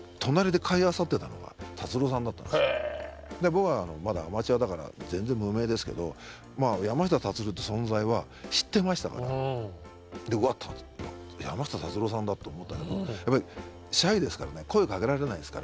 僕はまだアマチュアだから全然無名ですけど山下達郎って存在は知ってましたから。と思ったけどシャイですからね声かけられないですから。